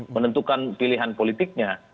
menentukan pilihan politiknya